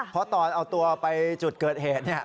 เพราะตอนเอาตัวไปจุดเกิดเหตุ